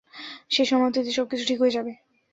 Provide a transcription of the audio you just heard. শেষ সমাপ্তি তে, সব কিছু ঠিক হয়ে জায়।